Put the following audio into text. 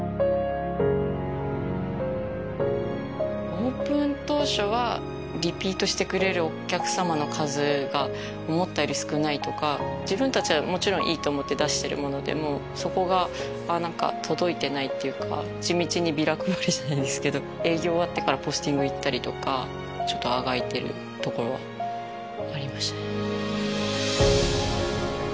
オープン当初はリピートしてくれるお客様の数が思ったより少ないとか自分たちはもちろんいいと思って出してるものでもそこが何か届いてないっていうか地道にビラ配りじゃないですけど営業終わってからポスティング行ったりとかちょっとあがいてるところはありましたね